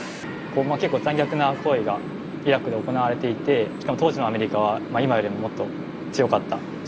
結構残虐な行為がイラクで行われていてしかも当時のアメリカは今よりももっと強かった。